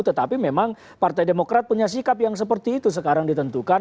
tetapi memang partai demokrat punya sikap yang seperti itu sekarang ditentukan